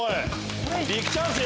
ビッグチャンスよ！